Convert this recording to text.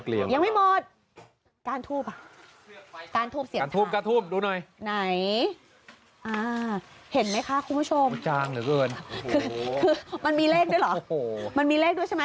เลขเรียนมาก